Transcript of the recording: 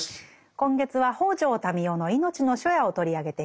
今月は北條民雄の「いのちの初夜」を取り上げています。